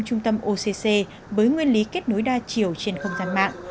trung tâm occ với nguyên lý kết nối đa chiều trên không gian mạng